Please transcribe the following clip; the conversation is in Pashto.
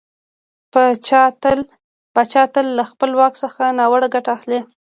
پاچا تل له خپله واک څخه ناوړه ګټه اخلي .